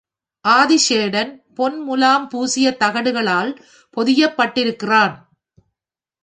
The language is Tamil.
ஆதிசேடன் பொன் முலாம் பூசிய தகடுகளால் பொதியப்பட்டிருக்கிறான்.